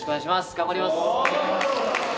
頑張ります